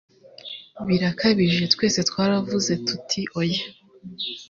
Birakabije Twese twaravuze tuti Oya